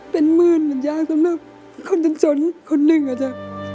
เป็นหมื่นเป็นยากสำหรับคนชนชนคนหนึ่งอะจ๊ะ